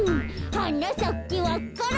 「はなさけわか蘭」